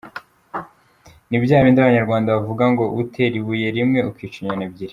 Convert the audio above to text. Ni byabindi Abanyarwanda bavuga ngo utera ibuye rimwe ukica inyoni ebyiri.